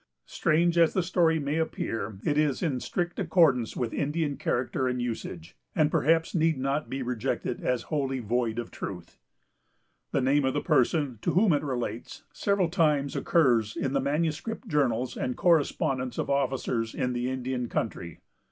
Strange as the story may appear, it is in strict accordance with Indian character and usage, and perhaps need not be rejected as wholly void of truth. The name of the person, to whom it relates, several times occurs in the manuscript journals and correspondence of officers in the Indian country.